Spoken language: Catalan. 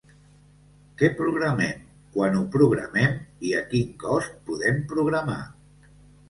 Què programem, quan ho programem i a quin cost podem programar?